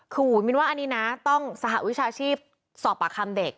คือมินว่าอันนี้นะต้องสหวิชาชีพสอบปากคำเด็ก